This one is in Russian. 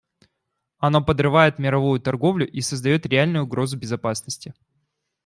Оно подрывает мировую торговлю и создает реальную угрозу безопасности.